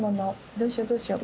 どうしようどうしよう。